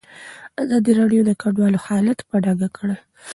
ازادي راډیو د کډوال حالت په ډاګه کړی.